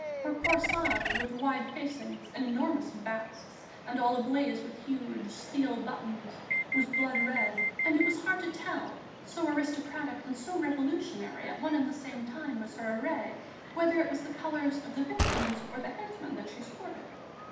Her corsage, with wide facings and enormous basques and all ablaze with huge steel buttons, was blood red, and it was hard to tell, so aristocratic and so revolutionary at one and the same time was her array, whether it was the colours of the victims or of the headsman that she sported.